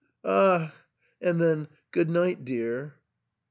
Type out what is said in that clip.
Ach!" and then "Good night, dear."